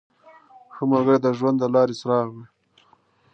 • ښه ملګری د ژوند د لارې څراغ وي.